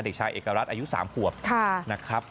เด็กชายเอกรัฐอายุ๓ขวบนะครับ